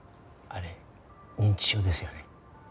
あれ認知症ですよね？